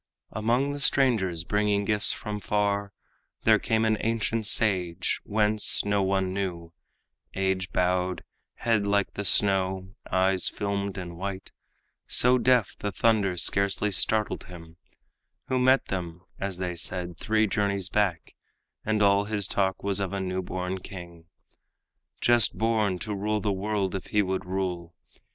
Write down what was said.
Among the strangers bringing gifts from far, There came an ancient sage whence, no one knew Age bowed, head like the snow, eyes filmed and white, So deaf the thunder scarcely startled him, Who met them, as they said, three journeys back, And all his talk was of a new born king, Just born, to rule the world if he would rule.